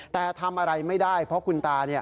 แต่ทำอะไรไม่ได้เพราะคุณตา